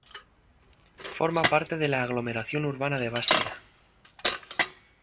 Forma parte de la aglomeración urbana de Bastia.